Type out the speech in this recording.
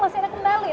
masa ada kembali